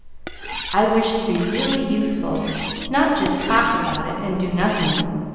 "I wished to be really useful; not just to talk about it and do nothing.